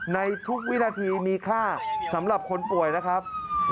ในทุกวินาทีมีค่าสำหรับคนป่วยนะครับ